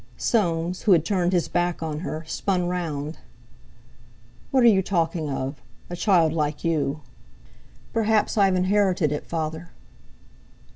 Soames, who had turned his back on her, spun round. "What are you talking of—a child like you!" "Perhaps I've inherited it, Father."